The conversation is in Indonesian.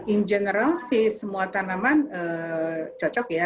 in general sih semua tanaman cocok ya